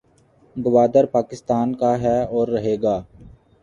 گودار پاکستان کاھے اور رہے گا